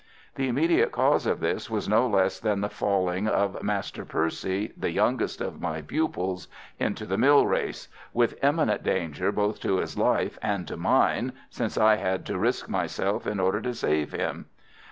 The immediate cause of this was no less than the falling of Master Percy, the youngest of my pupils, into the mill race, with imminent danger both to his life and to mine, since I had to risk myself in order to save him.